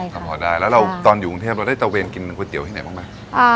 ก็พอได้แล้วเราตอนอยู่กรุงเทพเราได้ตะเวนกินก๋วยเตี๋ยวที่ไหนบ้างไหม